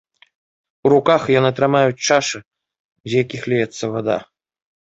У руках яны трымаюць чашы, з якіх ліецца вада.